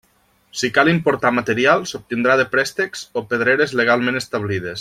Si cal importar material, s'obtindrà de préstecs o pedreres legalment establides.